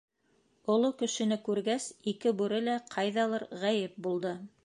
Оло кешене күргәс, ике бүре лә ҡайҙалыр ғәйеп булды.